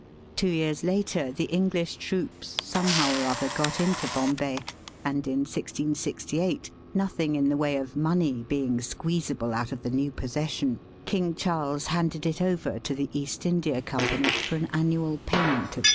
Two years later the English troops somehow or other got into Bombay, \ and in 1668, nothing in the way of money '' being squeezable out of the new possession, j King Charles handed it over to the East India Company for an annual payment of